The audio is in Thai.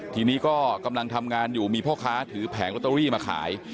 ทีนี้ก็กำลังทำงานอยู่มีพ่อค้าถือแผงลอตเตอรี่มาขาย